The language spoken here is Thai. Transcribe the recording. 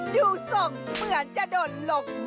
ดูสงเหมือนจะโดนหลบหมอ